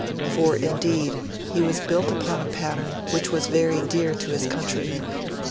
For indeed he was built upon a pattern which was very dear to his countrymen.